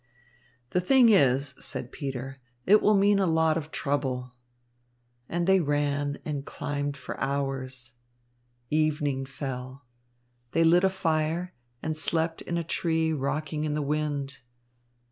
"The thing is," said Peter, "it will mean a lot of trouble." And they ran and climbed for hours. Evening fell. They lit a fire, and slept in a tree rocking in the wind.